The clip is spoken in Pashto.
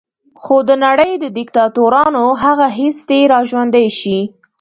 خو د نړۍ د دیکتاتورانو هغه حس دې را ژوندی شي.